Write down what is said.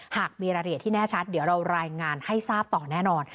หากมีรายละเอียดที่แน่ชัดเดี๋ยวเรารายงานให้ทราบต่อแน่นอน